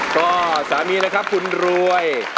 ก็สามีนะครับคุณรวย